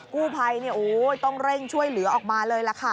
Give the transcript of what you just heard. กู้ไพรต้องเร่งช่วยเหลือออกมาเลย